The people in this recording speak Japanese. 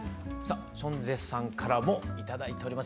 ソンジェさんからも頂いております